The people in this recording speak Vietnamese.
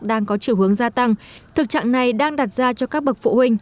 đang có chiều hướng gia tăng thực trạng này đang đặt ra cho các bậc phụ huynh